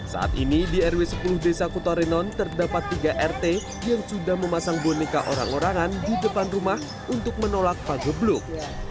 saat ini di rw sepuluh desa kutorinon terdapat tiga rt yang sudah memasang boneka orang orangan di depan rumah untuk menolak pagebluk